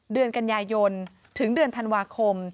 เดือนกันยายนถึงเดือนธันวาคม